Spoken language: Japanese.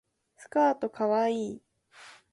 スカートかわいい